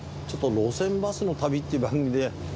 ちょっと『路線バスの旅』っていう番組で。